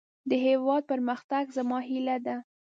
د هيواد پرمختګ زما هيله ده.